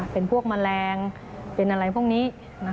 เป็นพวกแมลงเป็นอะไรพวกนี้